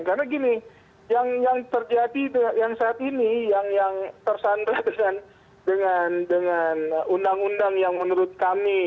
karena gini yang terjadi saat ini yang tersandar dengan undang undang yang menurut kami